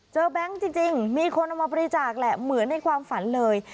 เจอแบงก์จริงจริงมีคนเอามาประดิษฐ์แหละเหมือนในความฝันเลย